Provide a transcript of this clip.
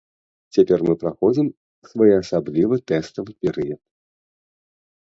Цяпер мы праходзім своеасаблівы тэставы перыяд.